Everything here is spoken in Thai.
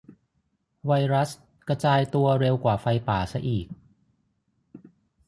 ไวรัสกระจายตัวเร็วกว่าไฟป่าซะอีก